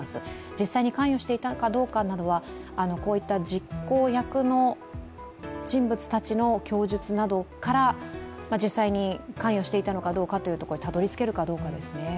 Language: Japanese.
実際に関与していたかどうかなどはこういった実行役の人物たちの供述などから、実際に関与していたのかどうかにたどり着けるかどうかですね？